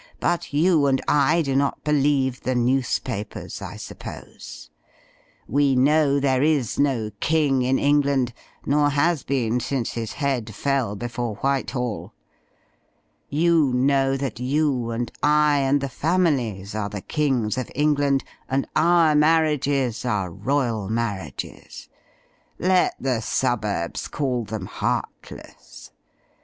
But you and I do not believe the newspapers, I sup pose. We know there is no King in England ; nor has been since his head fell before Whitehall. You know that you and I and the families are the Kings of Eng land; and our marriages are royal marriages. Let the suburbs call them heartless.